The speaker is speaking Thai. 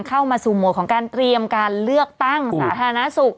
เข้ามาสู่โหมดของการเตรียมการเลือกตั้งสาธารณสุข